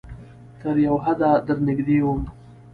تر یو حده درنږدې وم